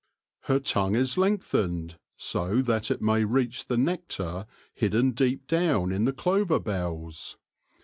Her tongue is lengthened, so that it may reach the nectar hidden deep down in the clover bells.